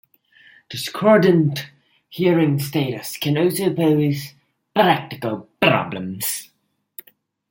Discordant hearing status can also pose practical problems.